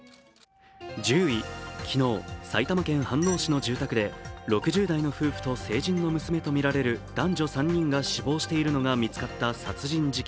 昨日、埼玉県飯能市の住宅で６０代の夫婦と成人の娘とみられる男女３人が死亡しているのが見つかった殺人事件。